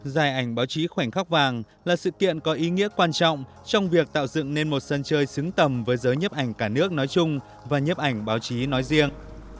giải ảnh báo chí khoảnh khắc vàng là sự kiện có ý nghĩa quan trọng trong việc tạo dựng nên một sân chơi xứng tầm với giới nhấp ảnh cả nước nói chung và nhấp ảnh báo chí nói riêng